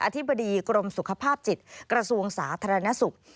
ธิบดีกรมสุขภาพจิตกระทรวงสาธารณสุข